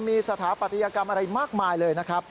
มีสถาปัตยกรรมอะไรมากมายเลยนะครับ